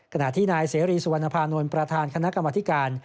ขณะที่นายเสรีสุวรรณภานนท์ประธานคณะกรรมธิการ